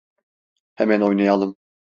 Hemen oynayalım!